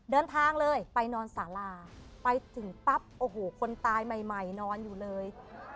เดินทางเลยไปนอนสาราไปถึงปั๊บโอ้โหคนตายใหม่นอนอยู่เลย